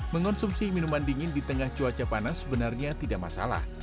mengonsumsi minuman dingin di tengah cuaca panas sebenarnya tidak masalah